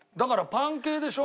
パンでしょ？